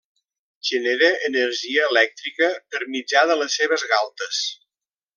Genera energia elèctrica per mitjà de les seves galtes.